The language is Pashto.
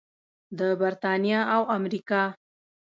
د بریتانیا او امریکا.